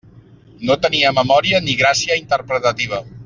No tenia memòria ni gràcia interpretativa.